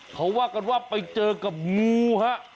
เขาว่ากันว่าไปเจอกับงูฮะ